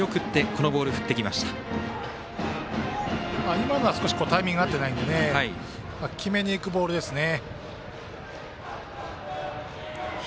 今のは少しタイミング合ってないので決めにいくボールですね。